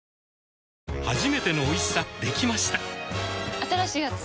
新しいやつ？